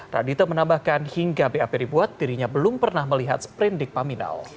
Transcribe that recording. radite menambahkan hingga bap dibuat dirinya belum pernah melihat sprindik paminal